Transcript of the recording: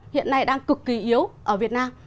hiện nay đang cực kỳ yếu ở việt nam